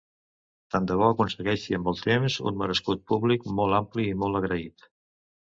Tant de bo aconsegueixi amb el temps un merescut públic molt ampli i molt agraït.